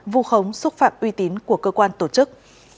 vu khống xúc phạm uy tín của cơ quan tổ chức